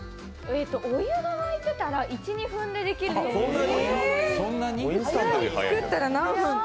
お湯が沸いてたら１２分でできると思います。